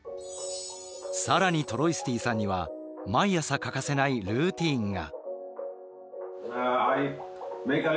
更にトロイスティさんには毎朝欠かせないルーティンが。